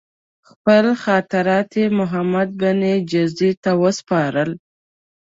خپل خاطرات یې محمدبن جزي ته وسپارل.